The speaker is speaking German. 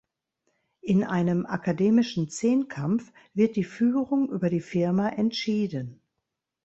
In einem akademischen Zehnkampf wird die Führung über die Firma entschieden.